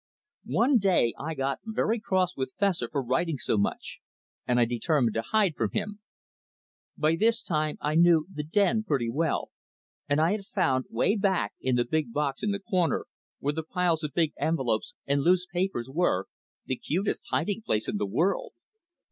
One day I got very cross with Fessor for writing so much, and I determined to hide from him. By this time I knew the "den" pretty well, and I had found, "way back" in the big box in the corner, where the piles of big envelopes and loose papers were, the cutest hiding place in the world.